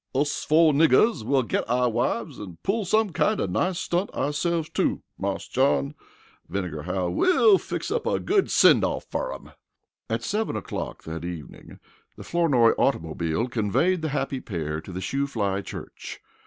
"Us fo' niggers will git our wifes an' pull some kind of nice stunt ourselfs, too, Marse John," Vinegar howled. "We'll fix up a good send off fer 'em." At seven o'clock that evening the Flournoy automobile conveyed the happy pair to the Shoofly Church.